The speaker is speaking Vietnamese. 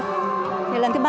thì lần thứ ba